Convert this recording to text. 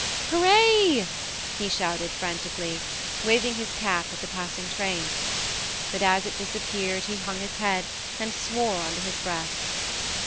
"Hooray!" he shouted frantically, waving his cap at the passing train ; but 86 THE MARNE as it disappeared he hung his head and swore under his breath.